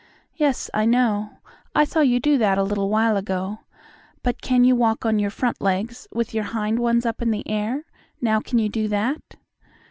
"Yes, I know. I saw you do that a little while ago. But can you walk on your front legs, with your hind ones up in the air? Now, can you do that?"